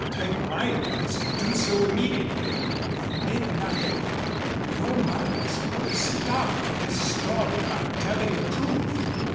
"Take my advice and do so immediately. Omit nothing. Your mother must put a stop to this story by telling the truth."